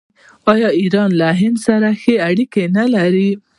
آیا ایران له هند سره ښه اړیکې نلري؟